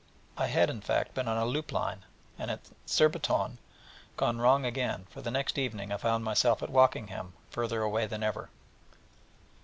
I had, in fact, been on a loop line, and at Surbiton gone wrong again; for the next evening I found myself at Wokingham, farther away than ever.